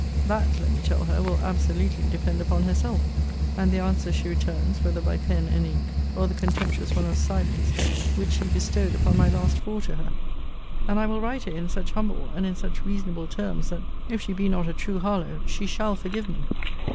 That, let me tell her, will absolutely depend upon herself, and the answer she returns, whether by pen and ink, or the contemptuous one of silence, which she bestowed upon my last four to her: and I will write it in such humble, and in such reasonable terms, that, if she be not a true Harlowe, she shall forgive me.